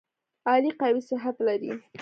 علي قوي صحت لري.